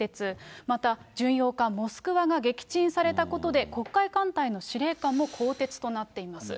また、巡洋艦モスクワが撃沈されたことで、黒海艦隊の司令官も更迭となっています。